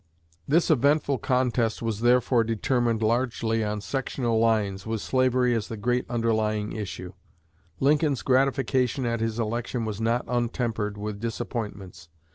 This eventful contest was therefore determined largely on sectional lines, with slavery as the great underlying issue. Lincoln's gratification at his election was not untempered with disappointments.